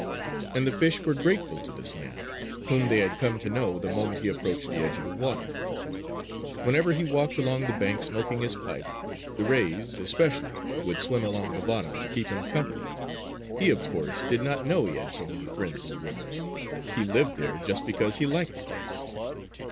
And the fish were grateful to this man, whom they had come to know the moment he approached the edge of the water. Whenever he walked along the bank smoking his pipe, the rays especially would swim along the bottom to keep him company. He, of course, did not know he had so many friends in the river. He lived there just because he liked the place.